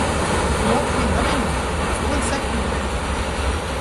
Nå, skynda dig nu! Det står en säck utanför dörren.